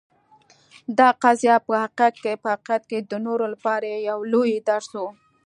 دا قضیه په حقیقت کې د نورو لپاره یو لوی درس و.